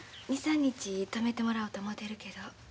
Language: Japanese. ２３日泊めてもらおうと思てるけど。